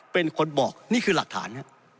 เป็นคนบอกนี่คือหลักฐานครับ